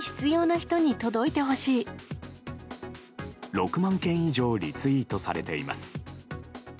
６万件以上リツイートされています。